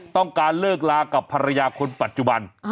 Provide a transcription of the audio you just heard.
ต้องการเลิกลากับภรรยาคนปัจจุบัน